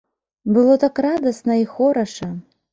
Было так радасна і хораша!